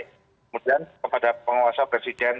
kemudian kepada penguasa presiden